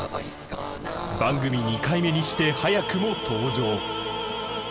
番組２回目にして早くも登場！